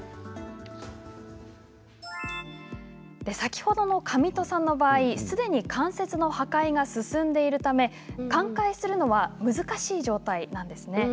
先ほどの上戸さんの場合すでに関節の破壊が進んでいるため寛解するのは難しい状態です。